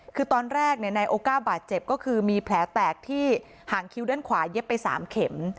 คือตอนแรกนายโอก้าบาดเจ็บก็คือมีแผลแตกที่หางคิ้วด้านขวาเย็บไป๓เข็ม